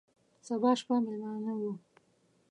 سبا شپه مېلمانه یو،